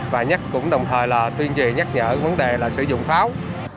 và nhắc cũng đồng thời là tuyên trì nhắc nhở vấn đề là sử dụng pháo